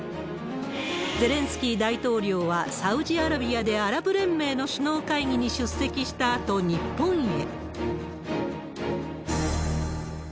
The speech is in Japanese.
ゼレンスキー大統領は、サウジアラビアでアラブ連盟の首脳会議に出席したあと、日本へ。